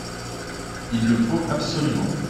Il le faut absolument.